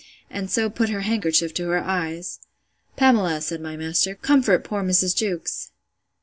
And so put her handkerchief to her eyes.—Pamela, said my master, comfort poor Mrs. Jewkes.